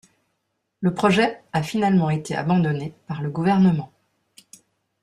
Le projet a finalement été abandonné par le gouvernement.